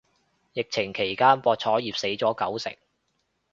疫情期間博彩業死咗九成